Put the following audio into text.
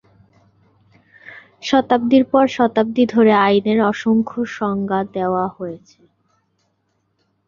শতাব্দীর পর শতাব্দী ধরে আইনের অসংখ্য সংজ্ঞা দেওয়া হয়েছে।